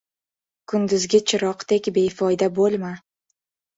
• Kunduzgi chiroqdek befoyda bo‘lma.